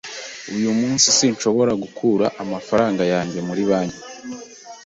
Uyu munsi sinshobora gukura amafaranga yanjye muri banki.